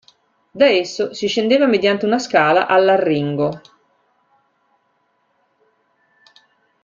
Da esso si scendeva mediante una scala all'"Arringo".